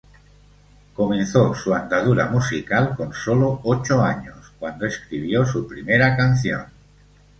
Comenzó su andadura musical con sólo ocho años, cuando escribió su primera canción.